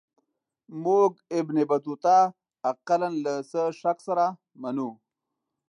موږ ابن بطوطه اقلا له څه شک سره منو.